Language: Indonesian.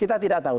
kita tidak tahu